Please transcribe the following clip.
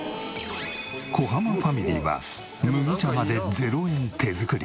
小濱ファミリーは麦茶まで０円手作り。